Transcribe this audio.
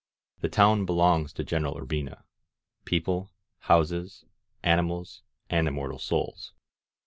The town belongs to General Urbina, people, houses, animals and immortal souls.